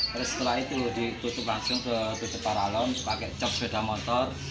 terus setelah itu ditutup langsung ke paralon pakai cok beda motor